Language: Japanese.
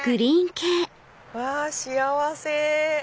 うわ幸せ！